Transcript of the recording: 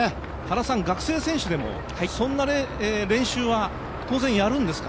学生選手でもそんな練習は当然やるんですか？